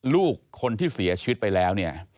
ลูกคนที่เสียชีวิตไปแล้วเนี่ย